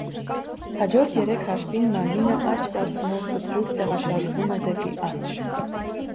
Հաջորդ երեք հաշվին մարմինը աջ դարձումով կտրուկ տեղաշարժվում է դեպի աջ։